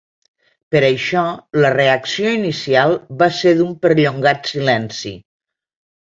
Per això, la reacció inicial va ser d'un perllongat silenci.